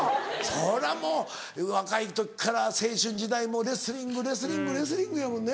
そりゃもう若い時から青春時代もレスリングレスリングレスリングやもんね。